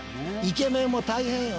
イケメンも大変よ。